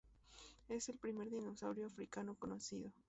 Es el primer dinosaurio africano conocido.